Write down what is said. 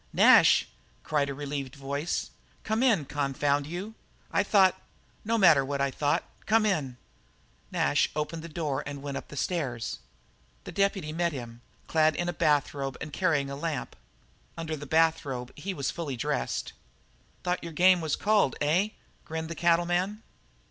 "Nash!" cried a relieved voice, "come in; confound you. I thought no matter what I thought. Come in!" Nash opened the door and went up the stairs. The deputy met him, clad in a bathrobe and carrying a lamp. Under the bathrobe he was fully dressed. "Thought your game was called, eh?" grinned the cattleman.